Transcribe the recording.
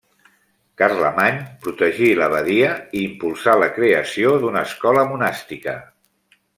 Carlemany protegí l'abadia i impulsà la creació d'una escola monàstica.